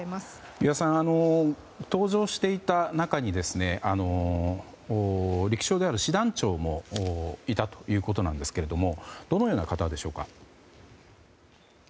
湯屋さん搭乗していた中に陸将である師団長もいたということですがどのような方でしょうか。